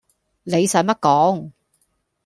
你洗乜講